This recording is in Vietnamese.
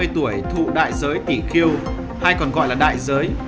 hai mươi tuổi thụ đại giới tỉ khiêu hay còn gọi là đại giới